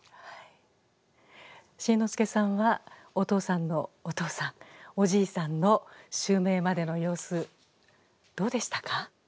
新之助さんはお父さんのお父さんおじいさんの襲名までの様子どうでしたか？